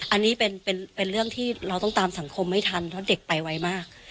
อันนี้เป็นเรื่องที่เราต้องตามสังคมให้ทันเพราะเด็กไปไวมาก